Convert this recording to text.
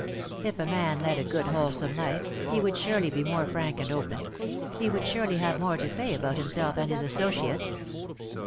If a man led a good wholesome life, he would surely be more frank and open — he would surely have more to say about himself and his associates.